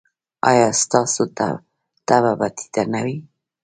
ایا ستاسو تبه به ټیټه نه وي؟